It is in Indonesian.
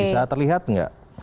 bisa terlihat nggak